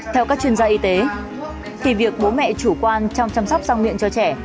theo các chuyên gia y tế thì việc bố mẹ chủ quan trong chăm sóc răng miệng cho trẻ